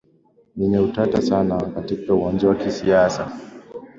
yenye utata sana katika uwanja wa kisiasa na